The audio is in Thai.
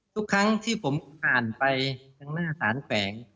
ทุกครั้งที่ผมอ่านไปทางหน้าสารแฝง